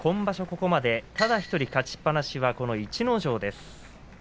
ここまでただ１人勝ちっぱなしは逸ノ城です。